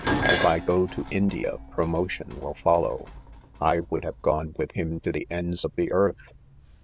If I go to. India pro motion will follow." I would have gone with him to the ends of the earth